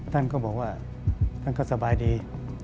ท่านก็บอกว่าท่านก็สบายดี